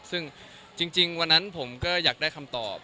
ซึ่งจริงวันนั้นผมก็อยากได้คำตอบ